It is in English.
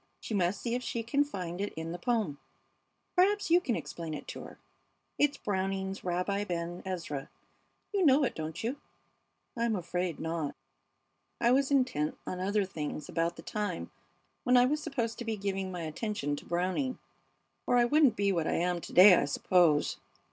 She must see if she can find it in the poem. Perhaps you can explain it to her. It's Browning's 'Rabbi Ben Ezra.' You know it, don't you?" "I'm afraid not. I was intent on other things about the time when I was supposed to be giving my attention to Browning, or I wouldn't be what I am to day, I suppose.